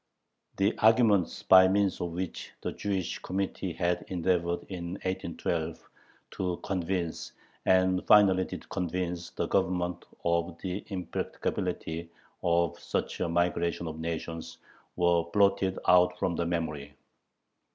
The arguments by means of which the Jewish Committee had endeavored in 1812 to convince, and finally did convince, the Government of the impracticability of such a migration of nations, were blotted out from memory.